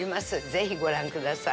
ぜひご覧ください。